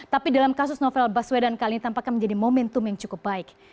tapi dalam kasus novel baswedan kali ini tampaknya menjadi momentum yang cukup baik